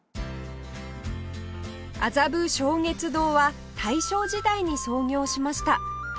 麻布昇月堂は大正時代に創業しました